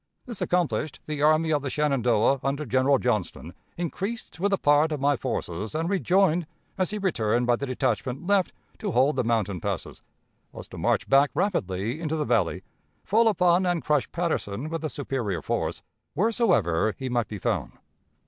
This accomplished, the Army of the Shenandoah, under General Johnston, increased with a part of my forces and rejoined as he returned by the detachment left to hold the mountain passes, was to march back rapidly into the Valley, fall upon and crush Patterson with a superior force, wheresoever he might be found.